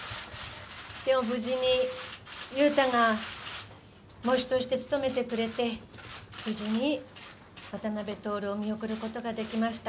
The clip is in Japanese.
でも無事に、裕太が喪主として務めてくれて、無事に渡辺徹を見送ることができました。